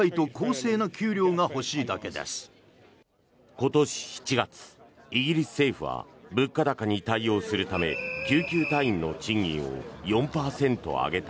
今年７月、イギリス政府は物価高に対応するため救急隊員の賃金を４％上げた。